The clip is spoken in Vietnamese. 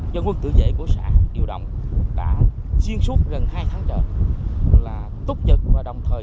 dân quân tự dễ của xã điều động đã duyên suốt gần hai tháng trở là túc nhật và đồng thời